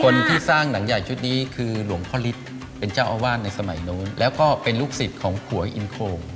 คนที่สร้างหนังใหญ่ชุดนี้คือหลวงพ่อฤทธิ์เป็นเจ้าอาวาสในสมัยนู้นแล้วก็เป็นลูกศิษย์ของขัวอินโคง